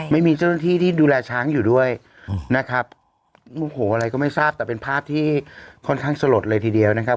ไม่มีเจ้าหน้าที่ที่ดูแลช้างอยู่ด้วยนะครับโมโหอะไรก็ไม่ทราบแต่เป็นภาพที่ค่อนข้างสลดเลยทีเดียวนะครับ